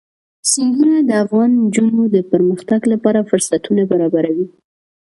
سیندونه د افغان نجونو د پرمختګ لپاره فرصتونه برابروي.